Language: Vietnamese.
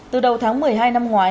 từ đầu tháng một mươi hai năm ngoái